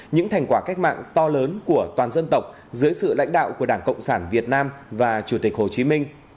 những thành quả cách mạng to lớn của toàn dân tộc dưới sự lãnh đạo của đảng cộng sản việt nam và chủ tịch hồ chí minh